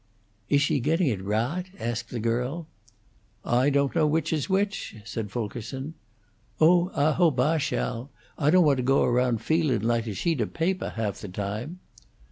"Is she getting it raght?" asked the girl. "I don't know which is which," said Fulkerson. "Oh, Ah hope Ah shall! Ah don't want to go round feelin' like a sheet of papah half the time."